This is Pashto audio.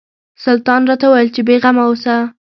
سلطان راته وویل چې بېغمه اوسه.